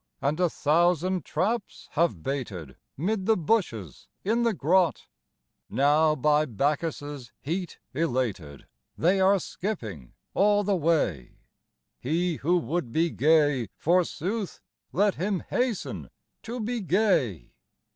And a thousand traps have baited Mid the bushes, in the grot ; Now by Bacchus* heat elated They are skipping all the way : He who would be gay, forsooth, Let him hasten to be gay.